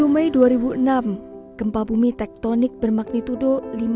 dua puluh mei dua ribu enam gempa bumi tektonik bermagnitudo lima enam